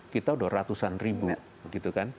kita udah ratusan ribu